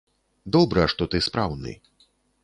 Добра, што ты спраўны.